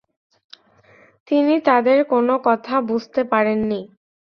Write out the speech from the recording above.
তিনি তাদের কোনো কথা বুঝতে পারেন নি।